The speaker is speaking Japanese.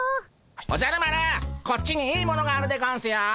おじゃる丸こっちにいいものがあるでゴンスよ。